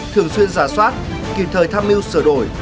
thường xuyên giả soát kịp thời tham mưu sửa đổi